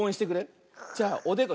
じゃあおでこ。